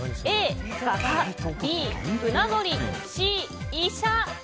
Ａ、画家Ｂ、船乗りＣ、医者。